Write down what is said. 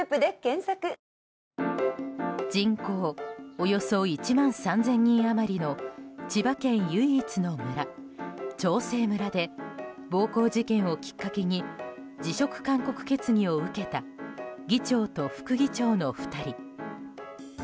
およそ１万３０００人余りの千葉県唯一の村、長生村で暴行事件をきっかけに辞職勧告決議を受けた議長と副議長の２人。